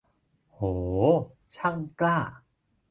โห ช่างกล้า